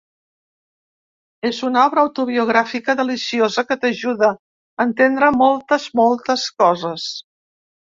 És una obra autobiogràfica deliciosa que t’ajuda a entendre moltes, moltes coses.